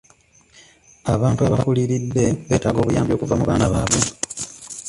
Abantu abakuliridde beetaaga obuyambi okuva mu baana baabwe.